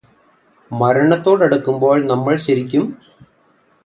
മരണത്തോടടുക്കുമ്പോള് നമ്മള് ശരിക്കും